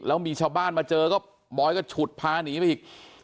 แล้วมีชาวบ้านมาเจอก็บอยก็ฉุดพาหนีไปอีก